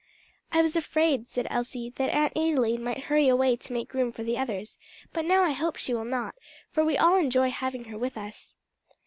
"I was afraid," said Elsie, "that Aunt Adelaide might hurry away to make room for the others, but now I hope she will not, for we all enjoy having her with us."